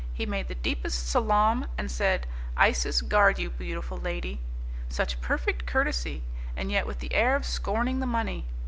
He made the deepest salaam and said, 'Isis guard you, beautiful lady.' Such perfect courtesy, and yet with the air of scorning the money.